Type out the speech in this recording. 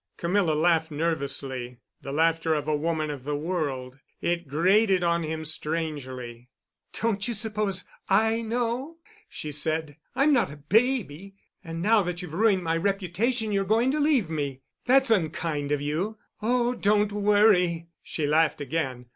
Camilla laughed nervously, the laughter of a woman of the world. It grated on him strangely. "Don't you suppose I know?" she said. "I'm not a baby. And now that you've ruined my reputation you're going to leave me. That's unkind of you. Oh, don't worry," she laughed again.